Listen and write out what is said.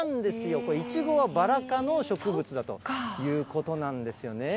これ、イチゴはバラ科の植物だということなんですよね。